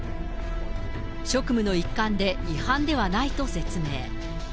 職務の一環で、違反ではないと説明。